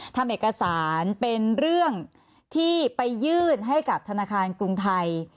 ทำเอกสารเป็นเรื่องที่ไปยื่นให้กับธนาคารกรุงไทย